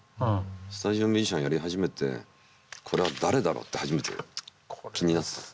スタジオミュージシャンやり始めてこれは誰だろうって初めて気になってた。